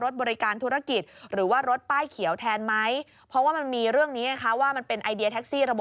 ทั้งเดียวนะครับ